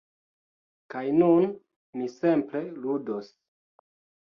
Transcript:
Kaj nun mi simple ludos.